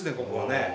ここはね。